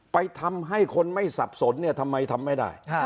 ไปทำให้คนไม่สับสนเนี่ยทำไมทำไม่ได้